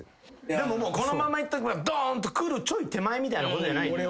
でもこのままいっとけばドーンとくるちょい手前みたいなことじゃないの？